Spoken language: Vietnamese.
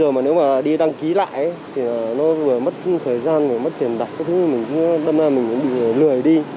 một lý do là mình bị lười đi